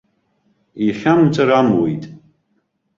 Ихьамҵыр амуит.